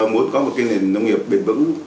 muốn có một nông nghiệp bền vững